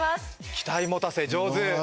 期待持たせ上手！